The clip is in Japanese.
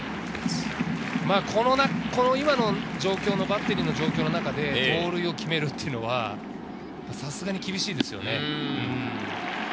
今のバッテリーの状況の中で盗塁を決めるというのは、さすがに厳しいですよね。